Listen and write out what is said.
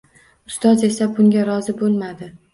Ustozi esa bunga rozi boʻlmadi